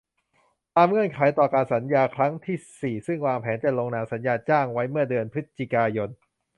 ตามเงื่อนไขการต่อสัญญาครั้งที่ สี่ ซึ่งวางแผนจะลงนามสัญญาจ้างไว้เมื่อเดือนพฤศจิกายน